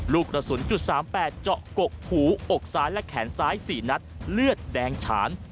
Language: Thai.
ลูกกระสุน๓๘เจาะกกหูอกซ้ายและแขนซ้าย๔นัดเลือดแดงฉาน